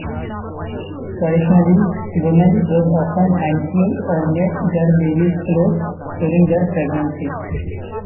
Traditionally, women would often hand-sew or knit their baby's clothes during their pregnancy.